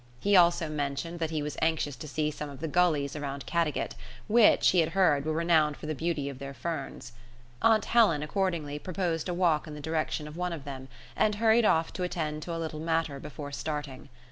He also mentioned that he was anxious to see some of the gullies around Caddagat, which, he had heard, were renowned for the beauty of their ferns. Aunt Helen, accordingly, proposed a walk in the direction of one of them, and hurried off to attend to a little matter before starting.